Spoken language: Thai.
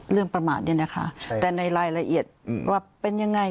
ประมาทเนี่ยนะคะแต่ในรายละเอียดว่าเป็นยังไง